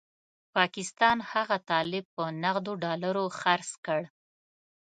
پاکستان هغه طالب په نغدو ډالرو خرڅ کړ.